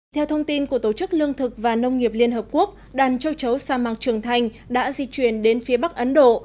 theo thông tin của tổ chức lương thực và nông nghiệp liên hợp quốc đàn châu chấu sa mạc trường thành đã di chuyển đến phía bắc ấn độ